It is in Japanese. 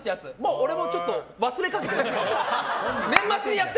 俺もちょっと忘れかけてる。